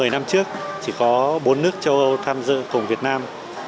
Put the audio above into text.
một mươi năm trước chỉ có bốn nước châu âu tham dự cùng việt nam